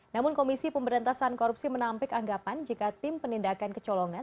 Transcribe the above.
namun komisi pemberantasan korupsi menampik anggapan jika tim penindakan kecolongan